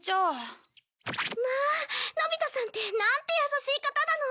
まあのび太さんてなんて優しい方なの！